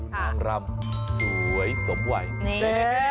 นางรำสวยสมไหว